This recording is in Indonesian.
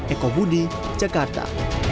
eko budi jakarta